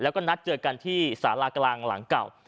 แล้วก็นัดเจอกันที่สารากลางหลังเก่า